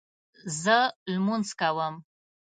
زه لمونځ کوم